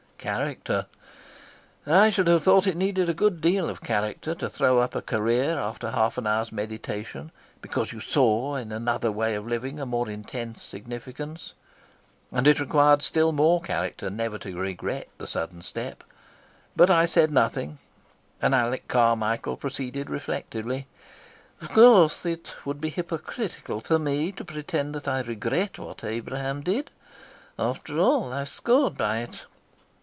Character? I should have thought it needed a good deal of character to throw up a career after half an hour's meditation, because you saw in another way of living a more intense significance. And it required still more character never to regret the sudden step. But I said nothing, and Alec Carmichael proceeded reflectively: "Of course it would be hypocritical for me to pretend that I regret what Abraham did. After all, I've scored by it."